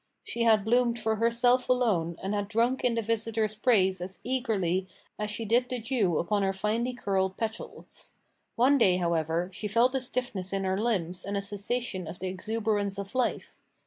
She had bloomed for herself alone and had drunk in the visitor's praise as eagerly as she did the dew upon her finely curled petals. One day, however, she felt a stiffness in her limbs and a cessation of the exuberance of life.